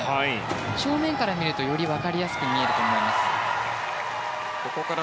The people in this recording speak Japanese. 正面から見るとより分かりやすく見えるかと思います。